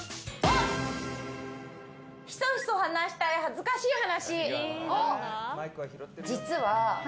ひそひそ話したい恥ずかしい話。